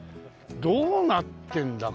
どうなってんだか。